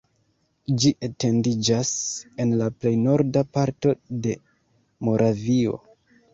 Ĝi etendiĝas en la plej norda parto de Moravio.